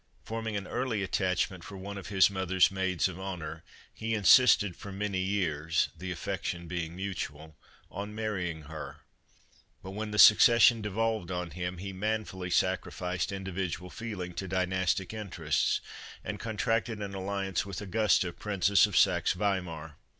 Forming an early attachment for one of his mother's maids of honor, he insisted for many years — the affection being mutual —on marrying her, but when the succession devolved on him he man fully sacrificed individual feeling to dynastic interests and contracted an alliance with Augusta, Princess of Saxe Weimar.